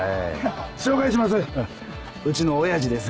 紹介します